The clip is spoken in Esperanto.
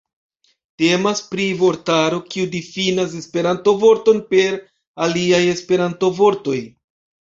Temas pri vortaro, kiu difinas Esperanto-vorton per aliaj Esperanto-vortoj.